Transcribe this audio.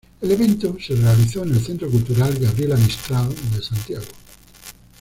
El evento se realizó en el Centro Cultural Gabriela Mistral de Santiago.